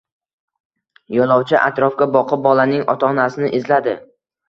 Yo`lovchi atrofga boqib, bolaning ota-onasini izladi